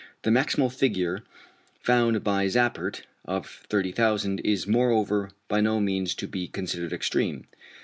The maximal figure found by Zappert of 30,000 is moreover by no means to be considered extreme.